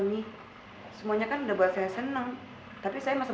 tunggu sekalian disini lam